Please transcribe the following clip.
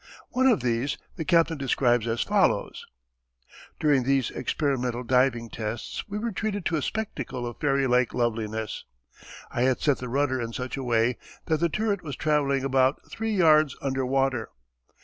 One of these the captain describes as follows: During these experimental diving tests we were treated to a spectacle of fairy like loveliness. I had set the rudder in such a way that the turret was travelling about three yards under water.